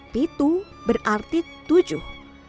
pitu berarti tujuh